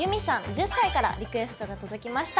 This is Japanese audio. １０歳からリクエストが届きました。